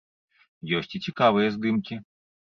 Ёсць і цікавыя здымкі.